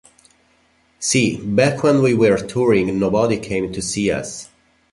See, back when we were touring, nobody came to see us.